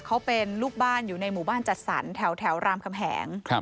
เขาเป็นลูกบ้านอยู่ในหมู่บ้านจัดสรรแถวรามคำแหง